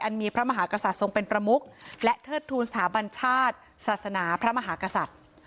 มีพระมหากษัตริย์ทรงเป็นประมุกและเทิดทูลสถาบันชาติศาสนาพระมหากษัตริย์